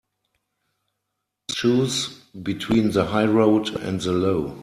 Choose between the high road and the low.